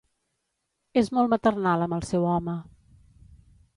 És molt maternal amb el seu home.